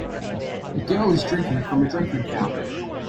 A girl is drinking from a drinking fountain.